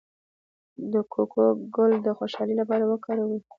د کوکو ګل د خوشحالۍ لپاره وکاروئ